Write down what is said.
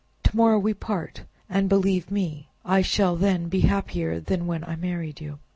To morrow we part; and believe me, I shall then be happier than when I married you."